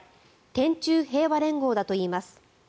天宙平和連合だといいます。